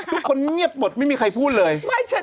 ทุกคนเงียบหมดไม่มีใครพูดเลย